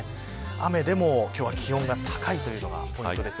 雨でも今日は気温が高いというのがポイントです。